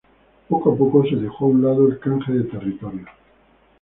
Poco a poco, se dejó a un lado el canje de territorios.